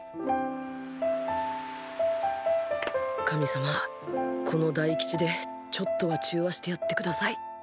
神様この大吉でちょっとは中和してやってください。